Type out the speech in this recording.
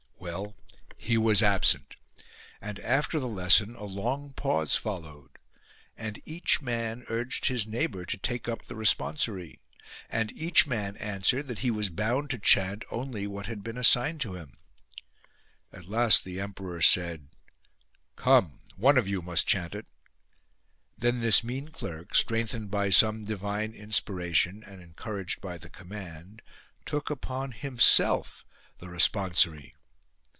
Well, he was absent ; and after the lesson a long pause followed, and each man urged his neighbour to take up the responsory, and each man answered that he was bound to chant only what had 66 THE MEAN CLERK'S OPPORTUNITY been assigned to him. At last the emperor said :" Come, one of you must chant it." Then this mean clerk, strengthened by some divine inspiration, and encouraged by the command, took upon himself the responsory.